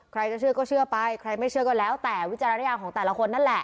ใครจะเชื่อก็เชื่อไปใครไม่เชื่อก็แล้วแต่วิจารณญาณของแต่ละคนนั่นแหละ